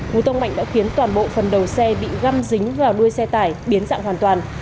cú tông mạnh đã khiến toàn bộ phần đầu xe bị găm dính vào đuôi xe tải biến dạng hoàn toàn